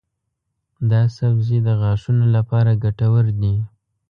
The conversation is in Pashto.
دا سبزی د غاښونو لپاره ګټور دی.